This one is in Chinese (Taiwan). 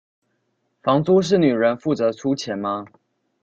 房租是女人負責出錢嗎？